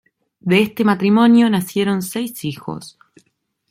De este matrimonio nacieron seis hijos.